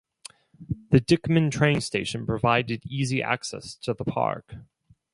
The Dyckman train station provided easy access to the park.